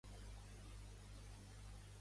Va esdevenir ric gràcies a Hudibras?